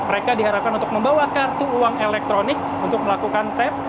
mereka diharapkan untuk membawa kartu uang elektronik untuk melakukan tap